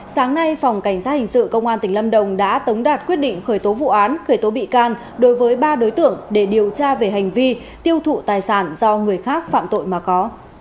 sáng nay phòng cảnh sát hình sự công an tỉnh lâm đồng đã tống đạt quyết định khởi tố vụ án khởi tố bị can đối với ba đối tượng để điều tra về hành vi tiêu thụ tài sản do người khác phạm tội mà có